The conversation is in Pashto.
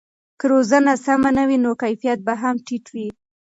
که روزنه سمه نه وي نو کیفیت به هم ټیټ وي.